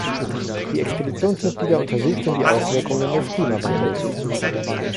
Die Expeditionsmitglieder untersuchten die Auswirkungen des Klimawandels.